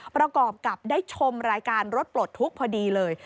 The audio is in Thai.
ประกอบกับได้ชมรายการรถปลดทุกข์พอดีเลย